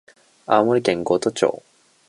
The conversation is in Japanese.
青森県五戸町